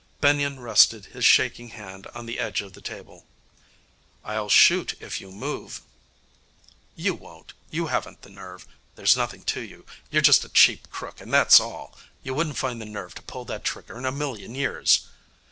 Benyon rested his shaking hand on the edge of the table. 'I'll shoot if you move.' 'You won't. You haven't the nerve. There's nothing to you. You're just a cheap crook, and that's all. You wouldn't find the nerve to pull that trigger in a million years.'